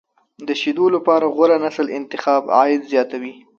د شیدو لپاره غوره نسل انتخاب، عاید زیاتوي.